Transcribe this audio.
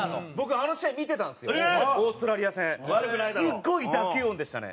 すごい打球音でしたね。